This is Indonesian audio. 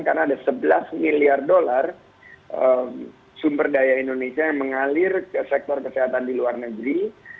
karena ada sebelas miliar dolar sumber daya indonesia yang mengalir ke sektor kesehatan di luar negeri